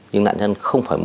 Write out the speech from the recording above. nhưng nạn nhân không phải